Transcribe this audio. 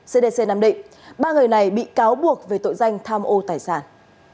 cdc nam định ba người này bị cáo buộc về tội danh tham ô tài sản